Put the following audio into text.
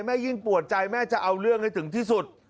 ยิ่งปวดใจแม่จะเอาเรื่องให้ถึงที่สุด